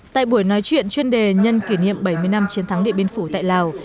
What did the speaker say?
tại buổi nói chuyện chuyên đề nhân kỷ niệm bảy mươi năm chiến thắng địa biên phủ tại lào